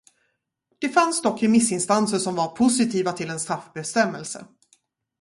Det fanns dock remissinstanser som var positiva till en straffbestämmelse.